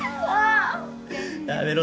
やめろ。